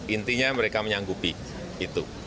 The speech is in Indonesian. intinya mereka menyangkubi itu